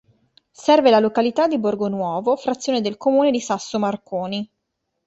Serve la località di Borgonuovo, frazione del comune di Sasso Marconi.